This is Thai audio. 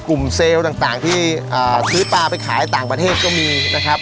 เซลล์ต่างที่ซื้อปลาไปขายต่างประเทศก็มีนะครับ